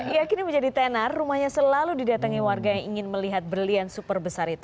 ya kini menjadi tenar rumahnya selalu didatangi warga yang ingin melihat berlian super besar itu